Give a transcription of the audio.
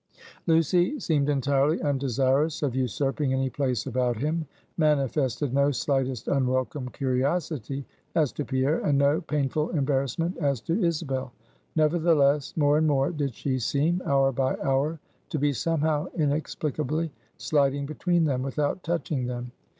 Lucy seemed entirely undesirous of usurping any place about him; manifested no slightest unwelcome curiosity as to Pierre, and no painful embarrassment as to Isabel. Nevertheless, more and more did she seem, hour by hour, to be somehow inexplicably sliding between them, without touching them.